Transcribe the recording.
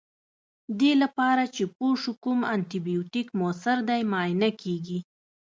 دې لپاره چې پوه شو کوم انټي بیوټیک موثر دی معاینه کیږي.